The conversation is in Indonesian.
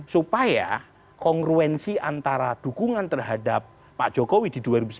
supaya kongruensi antara dukungan terhadap pak jokowi di dua ribu sembilan belas